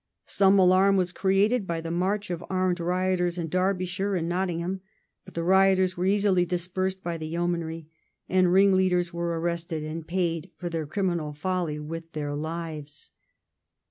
Some alarm was created by the march of armed rioters in Derbyshire and Nottingham, but the rioters were easily dispersed by the yeomanry, the ringleaders were arrested and paid for their criminal folly with their lives.